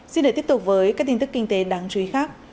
xin để tiếp tục với các tin tức kinh tế đáng chú ý khác